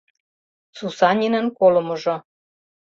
СУСАНИНЫН КОЛЫМЫЖО